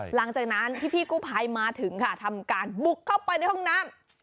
หลังจากนั้นพี่กู้ภัยมาถึงค่ะทำการบุกเข้าไปในห้องน้ำ